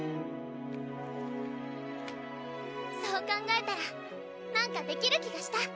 そう考えたら何かできる気がした！